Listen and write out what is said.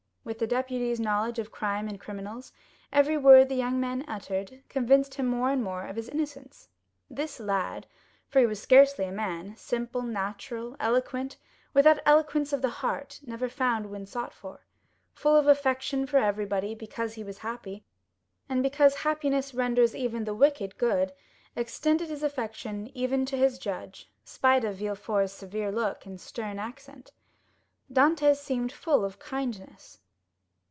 With the deputy's knowledge of crime and criminals, every word the young man uttered convinced him more and more of his innocence. This lad, for he was scarcely a man,—simple, natural, eloquent with that eloquence of the heart never found when sought for; full of affection for everybody, because he was happy, and because happiness renders even the wicked good—extended his affection even to his judge, spite of Villefort's severe look and stern accent. Dantès seemed full of kindness.